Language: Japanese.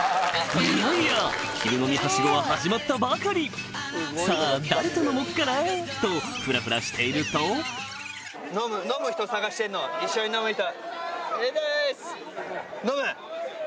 いやいや昼飲みハシゴは始まったばかりさぁとフラフラしていると飲む人探してんの一緒に飲む人。